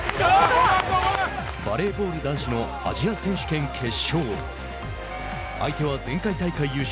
バレーボール男子のアジア選手権決勝。